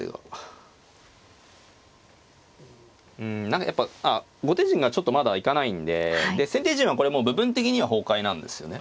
何かやっぱ後手陣がちょっとまだ行かないんでで先手陣は部分的には崩壊なんですよね。